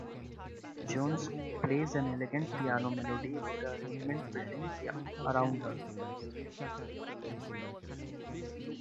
Jones plays an elegant piano melody with the arrangement building around her.